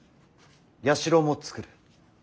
社も作る。